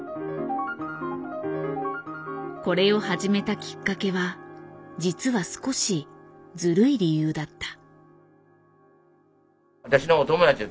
これを始めたきっかけは実は少しずるい理由だった。